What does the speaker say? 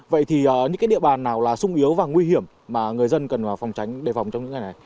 vậy thì những cái địa bàn nào là sung yếu và nguy hiểm mà người dân cần phòng tránh đề phòng trong những ngày này